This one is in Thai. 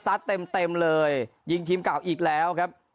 เต็มเต็มเลยยิงทีมเก่าอีกแล้วครับ